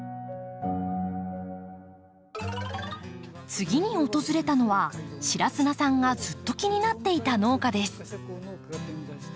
次に訪れたのは白砂さんがずっと気になっていた農家です。